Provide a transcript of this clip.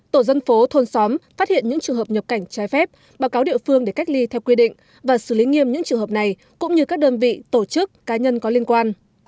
tổ dân phố thôn xóm phát hiện những trường hợp nhập cảnh trái phép báo cáo địa phương để cách ly theo quy định và xử lý nghiêm những trường hợp này cũng như các đơn vị tổ chức cá nhân có liên quan